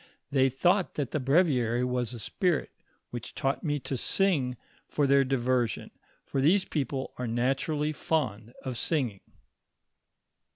They thought that the breviary was a spirit which taught mo to sing for their diversion, for these people are naturally fond of singing.